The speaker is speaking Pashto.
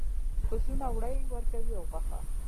پسونه وړۍ ورکوي او غوښه.